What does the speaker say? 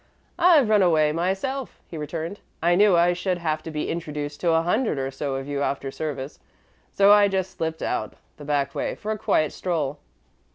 "I've run away myself," he returned; "I knew I should have to be introduced to a hundred or so of you after service, so I just slipped out the back way for a quiet stroll."